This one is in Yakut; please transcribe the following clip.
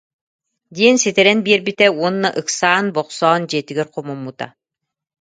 диэн ситэрэн биэрбитэ уонна ыксаан-бохсоон дьиэтигэр хомуммута